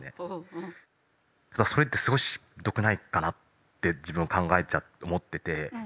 ただそれってすごいしんどくないかなって自分は思ってて。